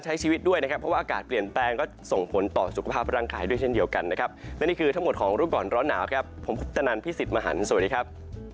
ใช้ชีวิตด้วยนะครับเพราะว่าอากาศเปลี่ยนแปลงก็ส่งผลต่อสุขภาพร่างกายด้วยเช่นเดียวกันนะครับและนี่คือทั้งหมดของรูปก่อนร้อนหนาวครับผมพุทธนันพี่สิทธิ์มหันฯสวัสดีครับ